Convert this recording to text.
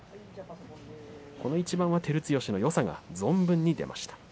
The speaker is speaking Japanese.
この一番は照強のよさが存分に出ました。